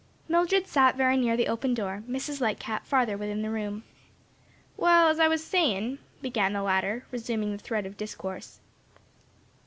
Mildred sat very near the open door, Mrs. Lightcap farther within the room. "Well as I was a sayin'," began the latter, resuming the thread of her discourse.